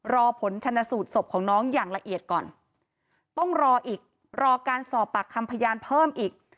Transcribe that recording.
รอผลชนสูตรศพของน้องอย่างละเอียดก่อนต้องรออีกรอการสอบปากคำพยานเพิ่มอีก